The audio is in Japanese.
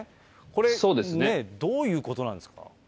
これ、どういうことなんですか。